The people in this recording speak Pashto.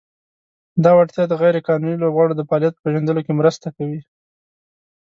دا وړتیا د "غیر قانوني لوبغاړو د فعالیت" په پېژندلو کې مرسته کوي.